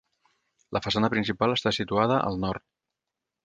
La façana principal està situada al nord.